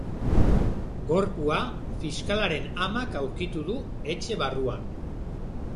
Gorpua fiskalaren amak aurkitu du, etxe barruan.